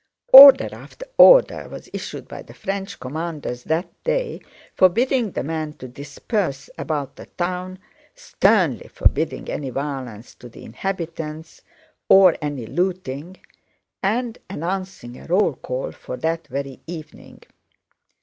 Order after order was issued by the French commanders that day forbidding the men to disperse about the town, sternly forbidding any violence to the inhabitants or any looting, and announcing a roll call for that very evening.